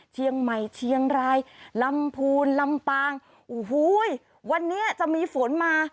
เชียงใหม่เชียงรายลำพูนลำปางโอ้โหวันนี้จะมีฝนมา